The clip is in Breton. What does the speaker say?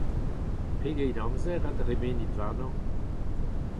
Pegeit amzer a dremenit warnañ ?